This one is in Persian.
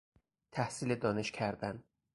تحصیل دانش کردن